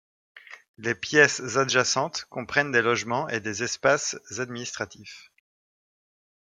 Les pièces adjacentes comprennent des logements et des espaces administratifs.